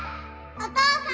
お父さん！